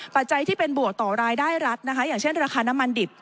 ปัจจัยที่เป็นบวกต่อรายได้รัฐนะคะอย่างเช่นราคาน้ำมันดิบ